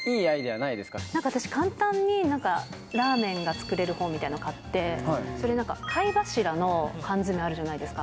なんか私、簡単にラーメンが作れる本みたいなのを買って、それ、なんか貝柱の缶詰あるじゃないですか。